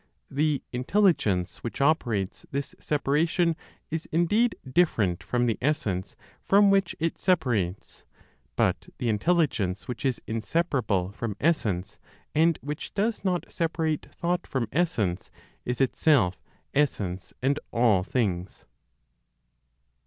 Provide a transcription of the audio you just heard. The Intelligence which operates this separation is indeed different from the essence from which it separates; but the Intelligence which is inseparable from essence and which does not separate thought from essence is itself essence and all things.